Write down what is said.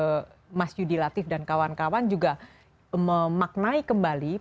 dan saya rasa apa namanya mas yudi latif dan kawan kawan juga memaknai kemudian